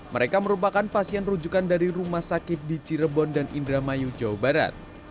mereka merupakan pasien rujukan dari rumah sakit di cirebon dan indramayu jawa barat